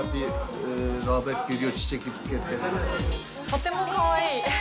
とてもかわいい。